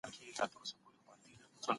دا یوه ملي پروسه وه چي ټول ولس پکي شریک و.